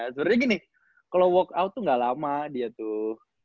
sebenarnya gini kalau walk out tuh gak lama dia tuh